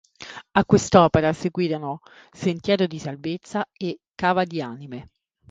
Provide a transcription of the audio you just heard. A quest'opera seguirono "Sentiero di salvezza" e "Cava di anime".